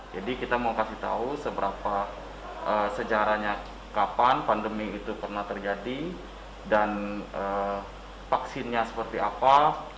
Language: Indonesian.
jadi kita mau kasih tahu sejarahnya kapan pandemi itu pernah terjadi dan vaksinnya seperti apa